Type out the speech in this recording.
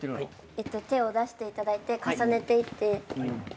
手を出していただいて重ねていっていただいて。